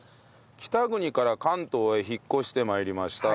北国から関東へ引っ越して参りました。